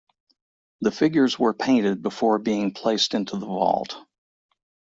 The figures were painted before being placed into the vault.